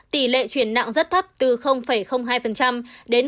tỷ lệ chuyển nặng rất thấp từ hai đến